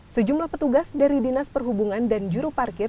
sejumlah petugas dari dinas perhubungan dan juru parkir